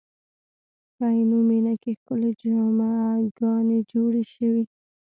په عینومېنه کې ښکلې جامع ګانې جوړې شوې.